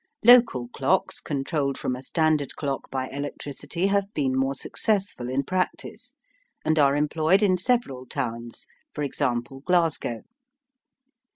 Local clocks controlled from a standard clock by electricity have been more successful in practice, and are employed in several towns for example, Glasgow.